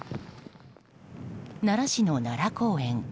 奈良市の奈良公園。